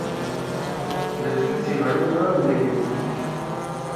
لھسو سی ہاڑو نام نے دیؤدُود۔